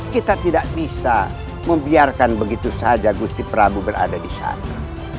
kita tidak bisa membiarkan begitu saja gusti prabu berada di sana